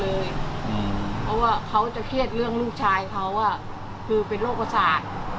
เพราะว่าเขาจะเครียดเรื่องลูกชายเขาคือเป็นโรคประสาท